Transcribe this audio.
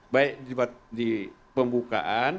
baik di pembukaan